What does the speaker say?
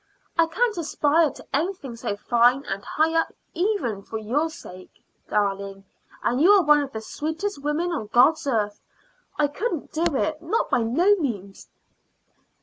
I can't aspire to anything so fine and high up even for your sake, darling, and you are one of the sweetest women on God's earth. I couldn't do it not by no means."